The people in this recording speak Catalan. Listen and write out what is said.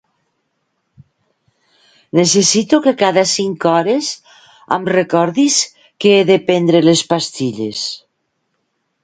Necessito que cada cinc hores em recordis que he de prendre les pastilles.